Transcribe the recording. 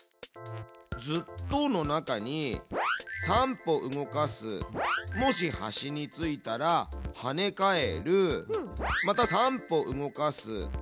「ずっと」の中に「３歩動かす」「もし端に着いたら跳ね返る」また「３歩動かす」。